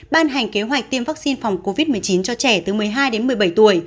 ban hành kế hoạch tiêm vaccine phòng covid một mươi chín cho trẻ từ một mươi hai đến một mươi bảy tuổi